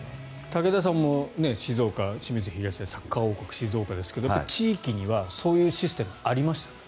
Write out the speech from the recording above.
武田さんも静岡の清水東でサッカー王国、静岡ですけど地域にはそういうシステムありましたか。